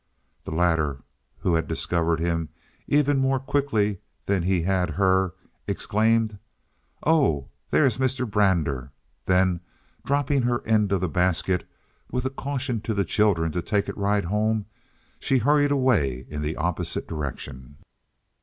The latter, who had discovered him even more quickly than he had her, exclaimed, "Oh, there is Mr. Brander!" Then, dropping her end of the basket, with a caution to the children to take it right home, she hurried away in the opposite direction.